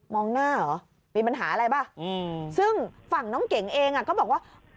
หน้าเหรอมีปัญหาอะไรป่ะซึ่งฝั่งน้องเก๋งเองอ่ะก็บอกว่า